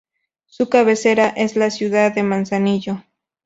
Su cabecera es la ciudad de Manzanillo.